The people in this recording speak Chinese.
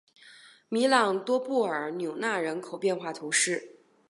米朗多布尔纽纳人口变化图示